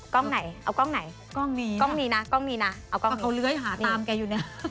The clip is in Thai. กล้องไหนเอากล้องไหนกล้องนี้นะกล้องนี้นะเอากล้องนี้นะเขาเลื้อยหาตามแกอยู่เนี่ย